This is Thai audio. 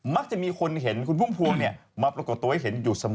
มักจะมีคนเห็นคุณพุ่มพวงมาปรากฏตัวให้เห็นอยู่เสมอ